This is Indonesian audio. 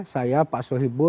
saya pak sohibul pak sohibul